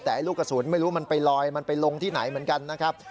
แต่ลูกกระสุนไม่รู้มันไปลอยมันไปลงที่ไหนเหมือนกันนะครับ